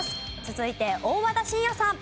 続いて大和田伸也さん。